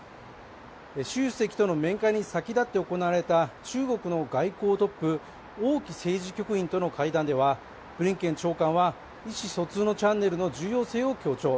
習主席との面会に先立って行われた中国の外交トップ、王毅政治局員との会談ではブリンケン長官は意思疎通のチャンネルの重要性を強調。